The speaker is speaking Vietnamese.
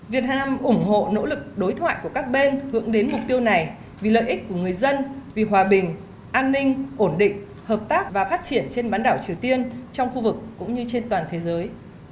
việt hà nam ủng hộ nỗ lực đối thoại của các bên hướng đến mục tiêu này vì lợi ích của người dân vì hòa bình an ninh ổn định hợp tác và phát triển trên bán đảo triều tiên trong khu vực cũng như trên toàn thế giới